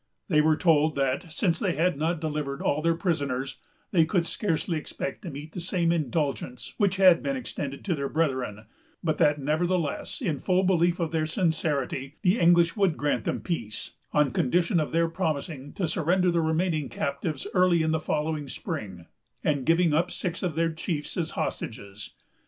They were told that, since they had not delivered all their prisoners, they could scarcely expect to meet the same indulgence which had been extended to their brethren; but that, nevertheless, in full belief of their sincerity, the English would grant them peace, on condition of their promising to surrender the remaining captives early in the following spring, and giving up six of their chiefs as hostages.